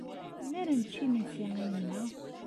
Melmi ara ad nečč imensi a yemma?